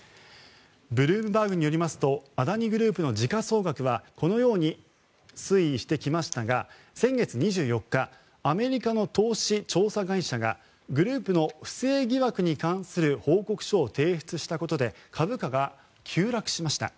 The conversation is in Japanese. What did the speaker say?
ブルームバーグによりますとアダニ・グループの時価総額はこのように推移してきましたが先月２４日アメリカの投資・調査会社がグループの不正疑惑に関する報告書を提出したことで株価が急落しました。